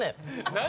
何。